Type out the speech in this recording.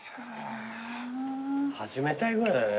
始めたいぐらいだね